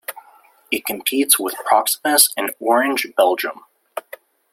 It competes with Proximus and Orange Belgium.